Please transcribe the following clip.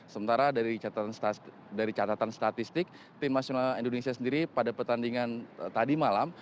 sementara dari catatan statistik tim nasional indonesia sendiri pada pertandingan tadi malam